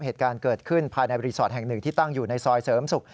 เหตุการณ์เกิดขึ้นภายในรีสอร์ทแห่งหนึ่งที่ตั้งอยู่ในซอยเสริมศุกร์